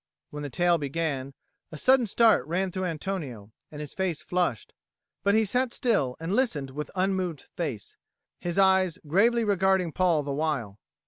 When the tale began, a sudden start ran through Antonio, and his face flushed; but he sat still and listened with unmoved face, his eyes gravely regarding Paul the while.